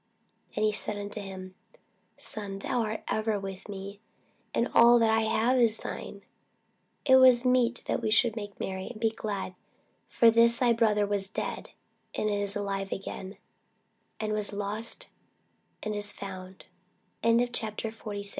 And he said unto him, Son, thou art ever with me, and all that I have is thine. It was meet that we should make merry, and be glad: for this thy brother was dead, and is alive again; and was lost, and is fo